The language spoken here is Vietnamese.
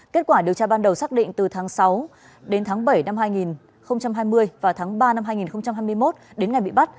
kết quả điều tra ban đầu xác định từ tháng sáu đến tháng bảy năm hai nghìn hai mươi và tháng ba năm hai nghìn hai mươi một đến ngày bị bắt